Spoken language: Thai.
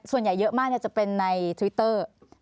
ส่วนใหญ่เยอะมากจะเป็นในทวิตเตอร์